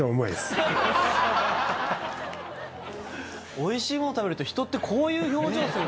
おいしいもの食べると人ってこういう表情するんだね。